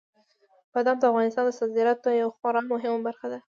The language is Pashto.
بادام د افغانستان د صادراتو یوه خورا مهمه برخه ده.